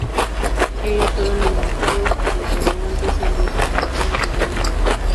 Ellos fueron invitados por los gobernantes serbios a trabajar en sus dominios.